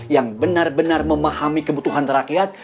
yang benar benar memahami kebutuhan rakyat